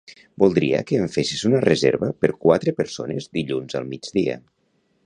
Voldria que em fessis una reserva per quatre persones dilluns al migdia.